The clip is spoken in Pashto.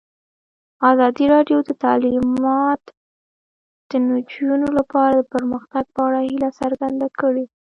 ازادي راډیو د تعلیمات د نجونو لپاره د پرمختګ په اړه هیله څرګنده کړې.